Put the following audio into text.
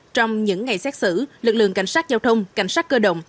trong những ngày xét xử lực lượng cảnh sát giao thông cảnh sát cơ động